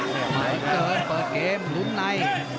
หมายเกินเปิดเกมลุกใน